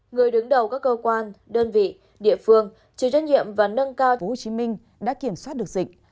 người đứng đầu các cơ quan đơn vị địa phương trừ trách nhiệm và nâng cao tỉnh hồ chí minh đã kiểm soát được dịch